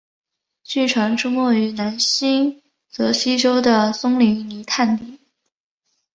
据传出没于南新泽西州的松林泥炭地。